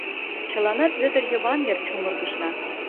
Чыланат Вӧдыр Йыван йыр чумыргышна.